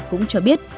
cũng cho biết